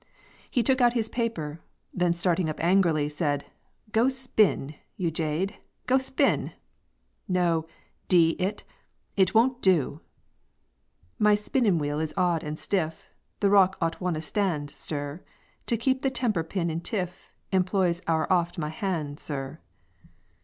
He took out his paper, then starting up angrily, said, "'Go spin, you jade, go spin.' No, d it, it won't do, "'My spinnin' wheel is auld and stiff, The rock o't wunna stand, sir; To keep the temper pin in tiff Employs ower aft my hand, sir.'